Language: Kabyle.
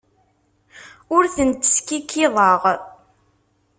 Ur tent-skikkiḍeɣ.